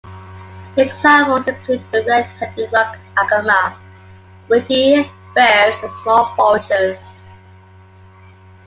Examples include the red-headed rock agama, wheatear birds, and small vultures.